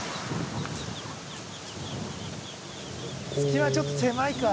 隙間ちょっと狭いか。